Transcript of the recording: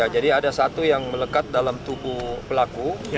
jadi ada satu yang melekat dalam tubuh pelaku